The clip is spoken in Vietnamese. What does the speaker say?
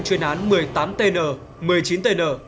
chuyên án một mươi tám tn một mươi chín tn